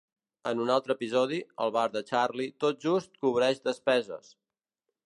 En un altre episodi, el bar de Charlie tot just cobreix despeses.